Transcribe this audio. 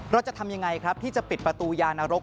เราจะทำยังไงครับที่จะปิดประตูยานรก